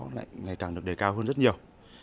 lại ngày càng được đề cao hơn rất nhiều